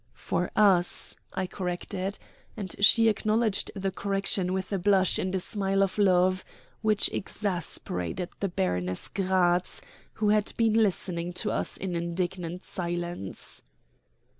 "For us," I corrected; and she acknowledged the correction with a blush and a smile of love which exasperated the Baroness Gratz, who had been listening to us in indignant silence.